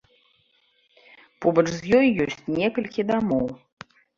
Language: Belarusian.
Побач з ёй ёсць некалькі дамоў.